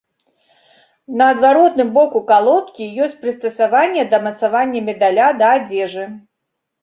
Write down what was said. На адваротным боку калодкі ёсць прыстасаванне для мацавання медаля да адзежы.